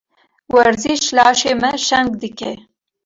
Werziş, laşê me şeng dike.